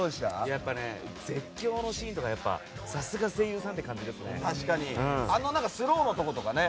やっぱり絶叫のシーンとかさすが声優さんって感じですね。